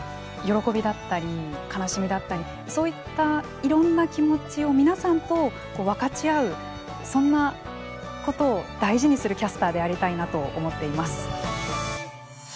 喜びだったり悲しみだったりそういったいろんな気持ちを皆さんと分かち合うそんなことを大事にするキャスターでありたいなと思っています。